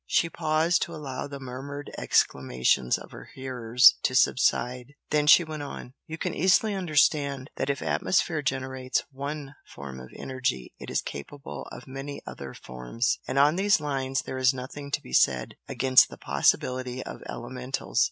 She paused to allow the murmured exclamations of her hearers to subside, then she went on "You can easily understand that if atmosphere generates ONE form of energy it is capable of many other forms, and on these lines there is nothing to be said, against the possibility of 'elementals.'